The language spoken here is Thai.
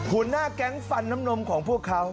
หัวหน้าแก๊งฟันน้ำนมของพวกเขา